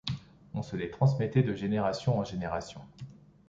On se les transmettait de génération en génération.